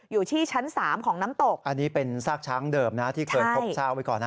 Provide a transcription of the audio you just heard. อยู่ที่ชั้น๓ของน้ำตกอันนี้เป็นซากช้างเดิมนะที่เคยพบซากไว้ก่อนนะ